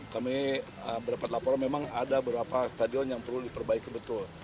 kami dapat laporan memang ada beberapa stadion yang perlu diperbaiki betul